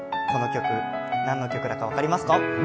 この曲、何の曲だか分かりますか？